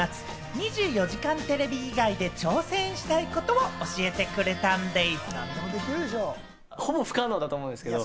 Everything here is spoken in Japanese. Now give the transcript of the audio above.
『２４時間テレビ』以外で挑戦したいことを教えてくれたんでぃす。